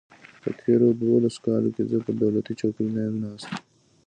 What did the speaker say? په تېرو دولسو کالو کې زه پر دولتي چوکۍ نه یم ناست.